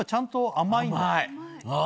甘い。